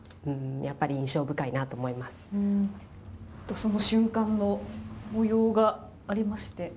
その瞬間の模様がありまして。